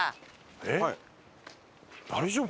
えっ大丈夫？